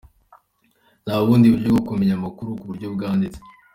Nta bundi buryo bwo kumenya amakuru ku buryo bwanditse.